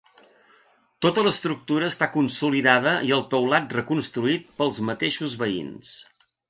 Tota l'estructura està consolidada i el teulat reconstruït pels mateixos veïns.